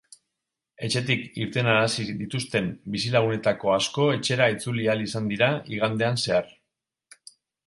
Etxetik irtenarazi dituzten bizilagunetako asko etxera itzuli ahal izan dira igandean zehar.